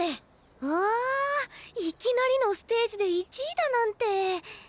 うわいきなりのステージで１位だなんて。